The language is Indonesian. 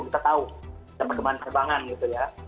kita tahu sampai kembangan kembangan gitu ya